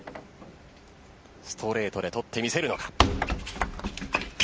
ストレートで取ってみせるのか。